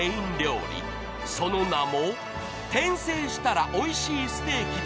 ［その名も］